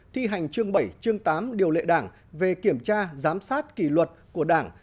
thi hành chương bảy chương tám điều lệ đảng về kiểm tra giám sát kỷ luật của đảng